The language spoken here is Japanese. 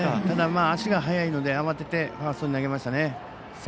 ただ、足が速いので慌ててファーストに投げましたね。